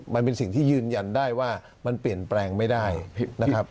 มันเป็นสิ่งที่ยืนยันได้ว่ามันเปลี่ยนแปลงไม่ได้นะครับ